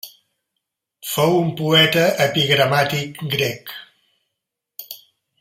Fou un poeta epigramàtic grec.